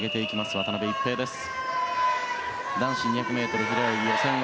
渡辺一平です。